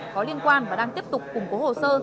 có liên quan và đang tiếp tục củng cố hồ sơ